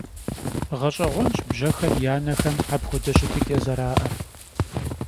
Ğeş'eğuenş bjexem ya nexem apxuede şıtıç'e zera'er.